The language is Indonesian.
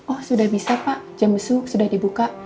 oh sudah bisa pak jam sudah dibuka